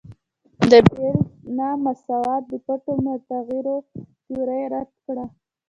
د بیل نا مساوات د پټو متغیرو تیوري رد کړه.